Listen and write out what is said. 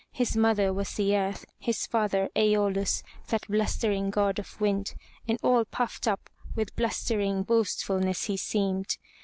His mother was the earth, his father Ae'o lus, that blustering God of Wind, and all puffed up with blustering boastfulness he seemed.